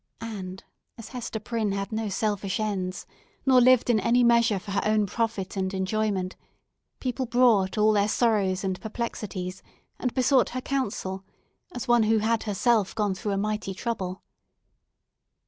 And, as Hester Prynne had no selfish ends, nor lived in any measure for her own profit and enjoyment, people brought all their sorrows and perplexities, and besought her counsel, as one who had herself gone through a mighty trouble.